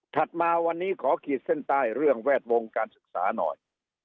มาวันนี้ขอขีดเส้นใต้เรื่องแวดวงการศึกษาหน่อย